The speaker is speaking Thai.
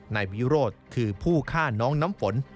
นายวิโรธคือผู้ฆ่าน้องน้ำฝน